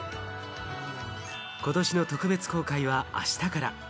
ことしの特別公開は明日から。